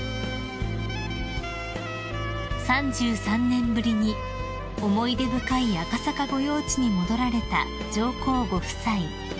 ［３３年ぶりに思い出深い赤坂御用地に戻られた上皇ご夫妻］